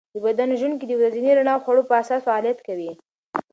د بدن ژوڼکې د ورځني رڼا او خوړو په اساس فعالیت کوي.